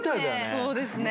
そうですね。